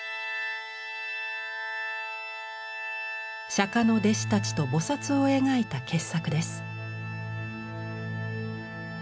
釈の弟子たちと菩を描いた傑作です。